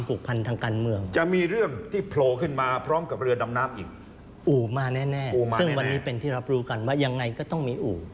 อูมาแน่ซึ่งวันนี้เป็นที่รับรู้กันว่ายังไงก็ต้องมีอู